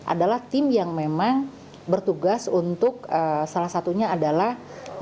adalah tim yang memang bertugas untuk salah satunya adalah